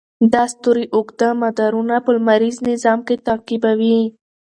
دا ستوري اوږده مدارونه په لمریز نظام کې تعقیبوي.